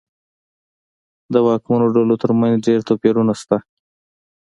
د واکمنو ډلو ترمنځ ډېر توپیرونه شته.